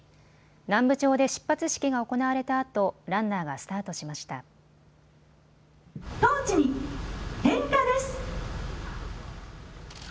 南部町で出発式が行われたあとランナーがスタートしました。